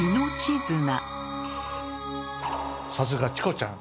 さすがチコちゃん。